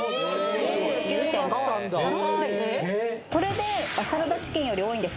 ２９．５これでサラダチキンより多いんです